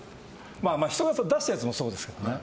人が出したやつもそうですけどね。